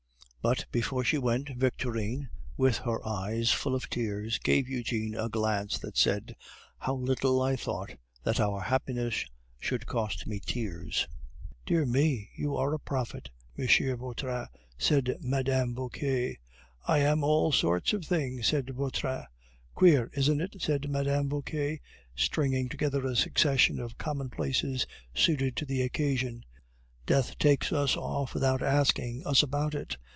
But before she went, Victorine, with her eyes full of tears, gave Eugene a glance that said "How little I thought that our happiness should cost me tears!" "Dear me, you are a prophet, M. Vautrin," said Mme. Vauquer. "I am all sorts of things," said Vautrin. "Queer, isn't it?" said Mme. Vauquer, stringing together a succession of commonplaces suited to the occasion. "Death takes us off without asking us about it.